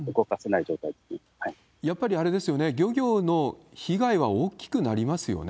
やっぱりあれですよね、漁業の被害は大きくなりますよね。